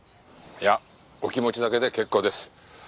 いやお気持ちだけで結構です。